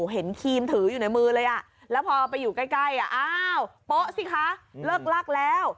มันกลับมาที่สุดท้ายแล้วมันกลับมาที่สุดท้ายแล้ว